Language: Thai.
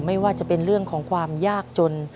ไม่ว่าจะเป็นเรื่องของความยากจน